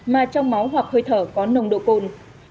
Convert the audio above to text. mà trong máu hoặc hơi thở có nồng độ cồn